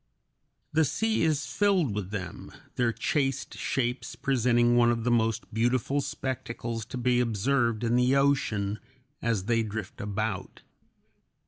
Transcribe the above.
The ocean is filled with them; their chaste shapes presenting one of the most beautiful spectacles to be observed in the ocean as they drift about.